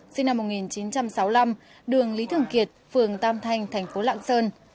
sinh năm một nghìn chín trăm sáu mươi năm đường lý thường kiệt phường tam thanh thành phố lạng sơn